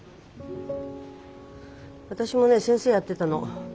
私もね先生やってたの。